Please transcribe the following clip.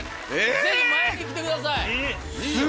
是非前に来てください。